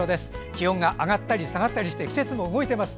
気温が上がったり下がったりして季節も動いています。